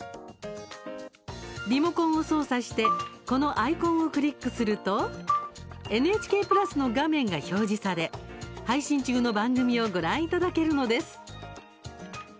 リモコンを操作してこのアイコンをクリックするとＮＨＫプラスの画面が表示され配信中の番組をご覧いただけるのです。